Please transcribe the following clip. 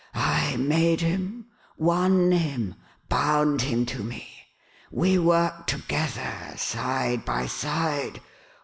I made him— won him— bound him to me ! We worked together, side by side.